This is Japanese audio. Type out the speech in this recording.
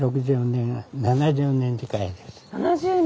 ７０年！